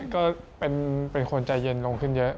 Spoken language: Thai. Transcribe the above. ก็เป็นคนใจเย็นลงขึ้นเยอะ